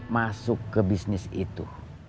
masuk ke bisnis itu